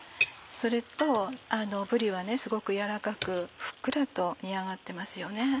それとぶりはすごく軟らかくふっくらと煮上がってますよね。